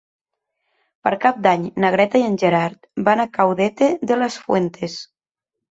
Per Cap d'Any na Greta i en Gerard van a Caudete de las Fuentes.